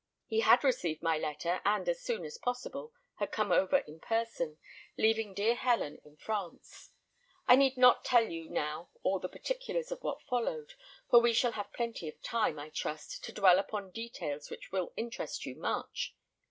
He had received my letter, and as soon as possible had come over in person, leaving dear Helen in France. I need not tell you now all the particulars of what followed, for we shall have plenty of time, I trust, to dwell upon details which will interest you much.